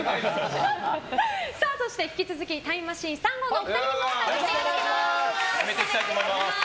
引き続きタイムマシーン３号のお二人にも参加していただきます。